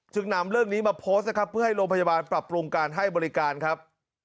นำเรื่องนี้มาโพสต์นะครับเพื่อให้โรงพยาบาลปรับปรุงการให้บริการครับ